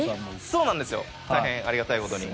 そうなんですよ大変ありがたい事に。